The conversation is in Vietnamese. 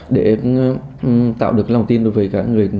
để tạo được lòng tin đối với các người sử dụng